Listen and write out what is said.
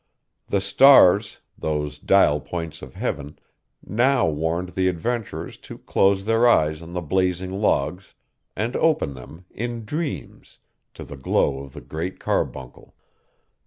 The stars, those dial points of heaven, now warned the adventurers to close their eyes on the blazing logs, and open them, in dreams, to the glow of the Great Carbuncle.